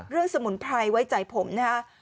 เรื่องสมุนไพรไว้ใจผมนะฮะ